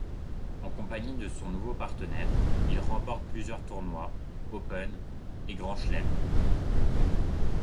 En compagnie de son nouveau partenaire, il remporte plusieurs tournois, Open et Grand Chelems.